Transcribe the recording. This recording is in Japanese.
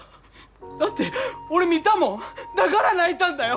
だって俺見たもんだから泣いたんだよ！